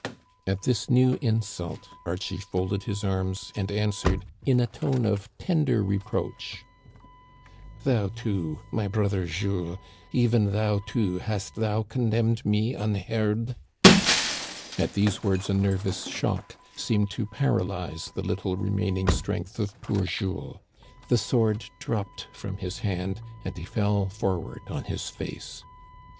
" At this new insult, Archie folded his arms and an swered, in a tone of tender reproach :" Thou, too, my brother Jules, even thou, too, hast thou condemned me unheard ?" At these words a nervous shock seemed to paralyze the little remaining strength of poor Jules. The sword dropped from his hand and he fell forward on his face.